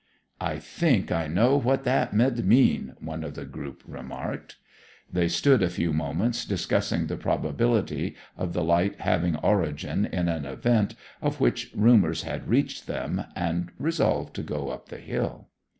'I think I know what that mid mean!' one of the group remarked. They stood a few moments, discussing the probability of the light having origin in an event of which rumours had reached them, and resolved to go up the hill.